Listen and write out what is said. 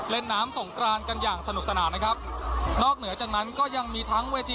เล่นน้ำสงกรานกันอย่างสนุกสนานนะครับนอกเหนือจากนั้นก็ยังมีทั้งเวที